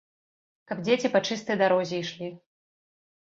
Каб дзеці па чыстай дарозе ішлі!